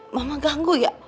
mama ganggu ya